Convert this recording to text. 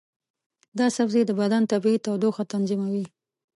دا سبزی د بدن طبیعي تودوخه تنظیموي.